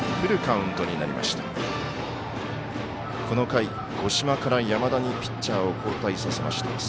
この回、五島から山田にピッチャーを交代させました。